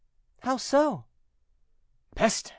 "How so?" "Peste!